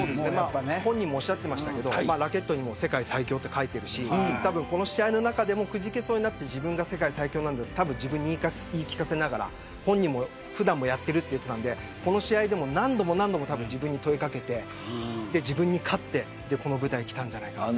本人もおっしゃっていましたがラケットにも世界最強と書いているしたぶん、この試合の中でもくじけそうになって自分が世界最強なんだと自分に言い聞かせながら本人も普段もやっているって言っていたのでこの試合でも、何度も何度も自分に問い掛けて自分に勝って、この舞台にきたんじゃないかなと。